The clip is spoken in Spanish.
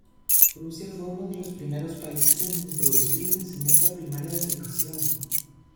Prusia fue uno de los primeros países en introducir una enseñanza primaria de educación.